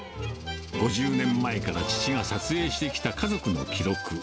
５０年前から父が撮影してきた家族の記録。